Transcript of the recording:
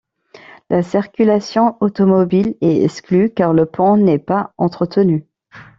La circulation automobile est exclue, car le pont n'est pas entretenu.